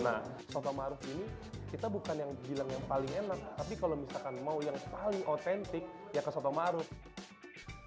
nah soto ma'ruf ini kita bukan yang bilang yang paling enak tapi kalau misalkan mau yang paling otentik ya ke soto ma'ruf